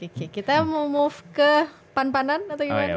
oke kita mau move ke pan panan atau gimana